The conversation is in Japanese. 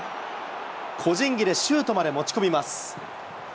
個人技でシュートまで持ち込みます。